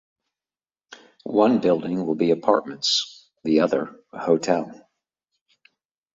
One building will be apartments, the other a hotel.